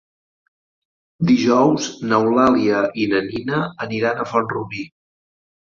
Dijous n'Eulàlia i na Nina aniran a Font-rubí.